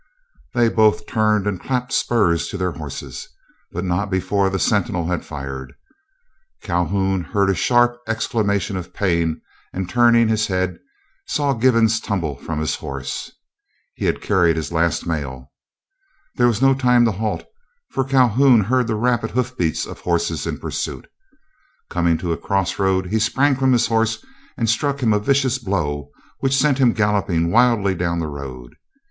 They both turned and clapped spurs to their horses, but not before the sentinel had fired. Calhoun heard a sharp exclamation of pain, and turning his head saw Givens tumble from his horse. He had carried his last mail. There was no time to halt, for Calhoun heard the rapid hoof beats of horses in pursuit. Coming to a cross road, he sprang from his horse and struck him a vicious blow which sent him galloping wildly down the road.